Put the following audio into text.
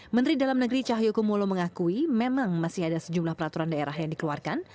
menteri dalam negeri cahyokumolo mengakui memang masih ada sejumlah peraturan daerah yang dikeluarkan